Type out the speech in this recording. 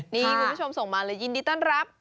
นี่คุณผู้ชมส่งมาเลยยินดีต้อนรับ